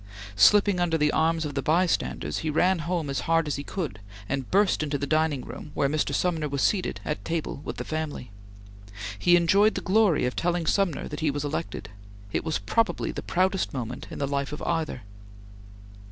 Slipping under the arms of the bystanders, he ran home as hard as he could, and burst into the dining room where Mr. Sumner was seated at table with the family. He enjoyed the glory of telling Sumner that he was elected; it was probably the proudest moment in the life of either.